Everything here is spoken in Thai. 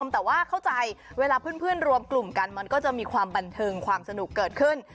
แต่ว่าเข้าใจเวลาเพื่อนรวมกลุ่มกันมันก็จะมีความบันเทิงความสนุกเกิดขึ้น